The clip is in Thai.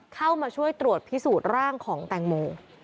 เข้ามาช่วยตรวจพิสูจน์ร่างของแตงโม